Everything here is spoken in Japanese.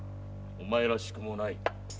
おまえらしくもない。